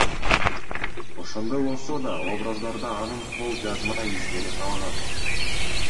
Ошондой болсо да, образдарда анын кол жазма издери калган.